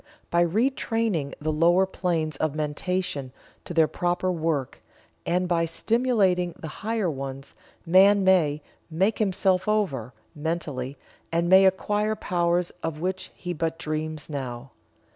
By retraining the lower planes of mentation to their proper work, and by stimulating the higher ones, man may "make himself over." mentally, and may acquire powers of which he but dreams now.